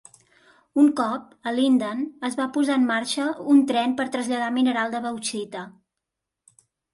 Un cop, a Linden, es va posar en marxa un tren per traslladar mineral de bauxita.